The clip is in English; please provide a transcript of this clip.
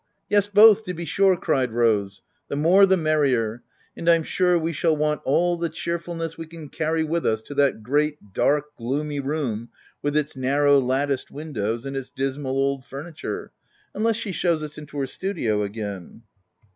"Yes, both to be sure !" cried Rose; " the more the merrier — and I'm sure we shall want all the cheerfulness we can carry with us to that great, dark, gloomy room, with its narrow latticed windows, and its dismal old fur niture — unless she shews us into her studio again."